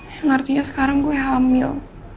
yang artinya sekarang gue hamil